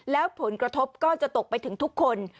แล้วผลกระทบก็จะตกไปถึงทุกคน